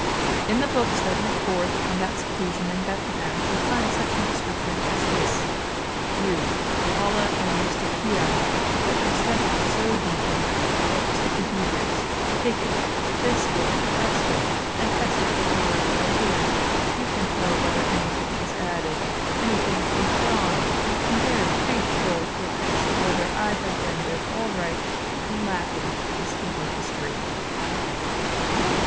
In the books that went forth from that seclusion in Bethlehem we find such an inscription as this: You, Paula, and Eustochium, who have studied so deeply the books of the Hebrews, take it, this book of Esther, and test it word by word; you can tell whether anything is added, anything withdrawn: and can bear faithful witness whether I have rendered aright in Latin this Hebrew history.